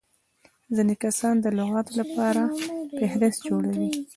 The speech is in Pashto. ځيني کسان د لغاتو له پاره فهرست جوړوي.